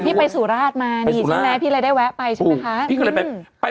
พี่ไปสุราชมานี่ใช่ไหมพี่เลยได้แวะไปใช่ไหมคะพี่ก็เลยแบบไป